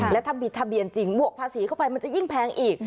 และถ้ามีทะเบียนจริงบวกภาษีเข้าไปมันจะยิ่งแพงอีก